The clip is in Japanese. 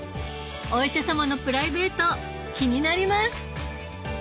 お医者様のプライベート気になります。